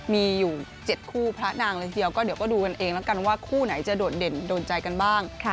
มีอยู่๗คู่พระนางเลยทีเดียวก็เดี๋ยวก็ดูกันเองแล้วกันว่าคู่ไหนจะโดดเด่นโดนใจกันบ้าง